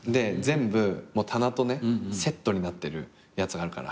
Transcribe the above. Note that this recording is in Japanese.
全部棚とセットになってるやつがあるから。